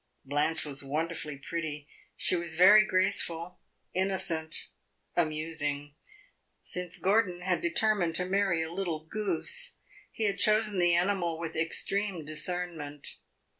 Blanche was wonderfully pretty; she was very graceful, innocent, amusing. Since Gordon had determined to marry a little goose, he had chosen the animal with extreme discernment.